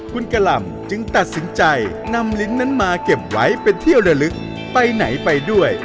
คุณกะหล่ำจึงตัดสินใจนำลิ้นนั้นมาเก็บไว้เป็นเที่ยวละลึกไปไหนไปด้วย